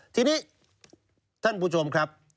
ทีนี้ท่านผู้ชมครับ